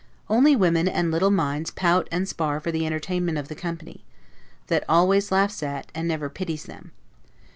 Only women and little minds pout and spar for the entertainment of the company, that always laughs at, and never pities them.